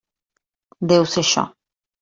Deu ser això.